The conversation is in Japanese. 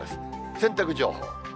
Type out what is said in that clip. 洗濯情報。